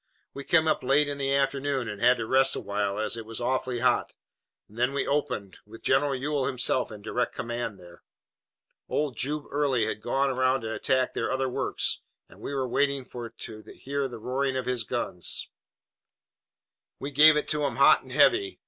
We came up late in the afternoon and had to rest a while, as it was awful hot. Then we opened, with General Ewell himself in direct command there. Old Jube Early had gone around to attack their other works, and we were waiting to hear the roaring of his guns. "We gave it to 'em hot and heavy.